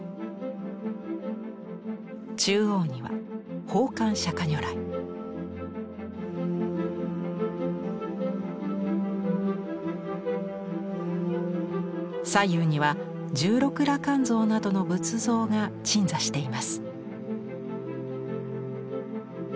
中央には左右には十六羅漢像などの仏像が鎮座しています。